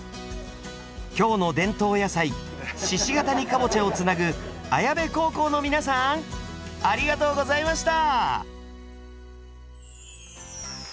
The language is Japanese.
京の伝統野菜鹿ケ谷かぼちゃをつなぐ綾部高校の皆さんありがとうございました！